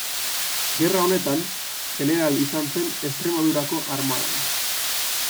Gerra honetan, jeneral izan zen Extremadurako armadan.